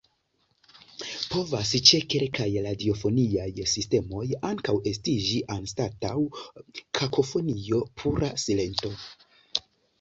Povas ĉe kelkaj radiofoniaj sistemoj ankaŭ estiĝi, anstataŭ kakofonio, pura silento.